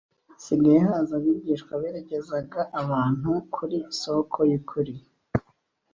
hagiye haza abigisha berekezaga abantu kuri Soko y’ukuri